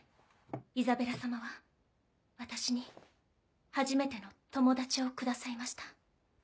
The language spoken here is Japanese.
イザベラ様は私に初めての友達をくださいました。